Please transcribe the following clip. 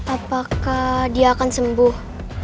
apakah dia akan sembuh